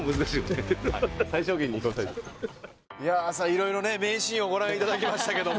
いろいろ名シーンをご覧いただきましたけど。